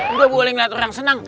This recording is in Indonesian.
enggak boleh ngeliat orang senang